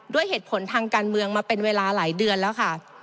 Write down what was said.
ด้วยเหตุผลทางการเมืองมาเป็นเวลาหลายเดือนแล้วค่ะ